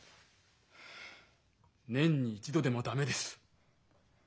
年に１度でも駄目です。